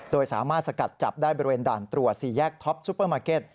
โดยสามารถสกัดจับได้บริเวณด่านตรวจ๔แยกท็อปซุปเปอร์มาร์เก็ต